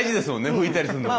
拭いたりするのも。